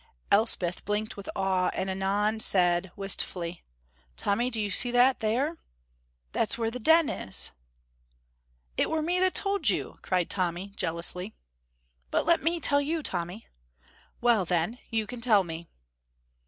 Elspeth blinked with awe, and anon said, wistfully, "Tommy, do you see that there? That's where the Den is!" "It were me what told you," cried Tommy, jealously. "But let me tell you, Tommy!" "Well, then, you can tell me."